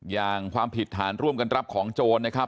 อย่างความผิดฐานร่วมกันรับของโจรนะครับ